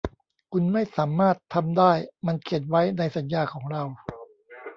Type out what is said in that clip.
คุณไม่สามารถทำได้มันเขียนไว้ในสัญญาของเรา